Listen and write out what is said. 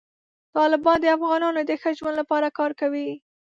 طالبان د افغانانو د ښه ژوند لپاره کار کوي.